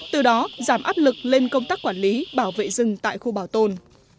từ đó giảm áp lực lên công tác quản lý bảo vệ rừng tại khu bảo tồn